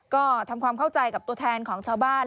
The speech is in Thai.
ก็ทำความเข้าใจกับตัวแทนของชาวบ้าน